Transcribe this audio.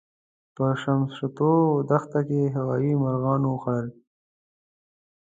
په شمشتو دښته کې هوايي مرغانو وخوړل.